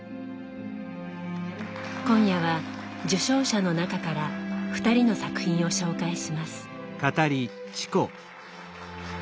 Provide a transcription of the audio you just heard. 今夜は受賞者の中から２人の作品を紹介します。